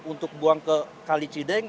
untuk buang ke kalicideng